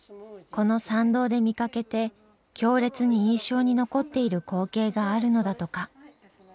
この参道で見かけて強烈に印象に残っている光景があるのだとか。